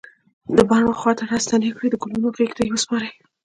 د بڼ و خواته راستنې کړي د ګلونو غیږ ته یې وسپاری